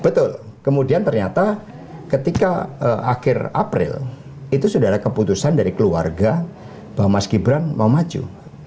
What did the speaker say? betul kemudian ternyata ketika akhir april itu sudah ada keputusan dari keluarga bahwa mas gibran mau maju